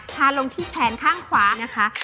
ทาลงที่แขนข้างขวานะคะ